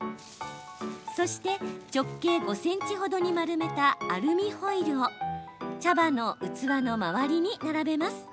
そして、直径５ｃｍほどに丸めたアルミホイルを茶葉の器の周りに並べます。